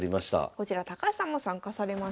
こちら高橋さんも参加されました。